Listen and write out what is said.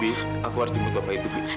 bi aku harus jemput bapak itu bi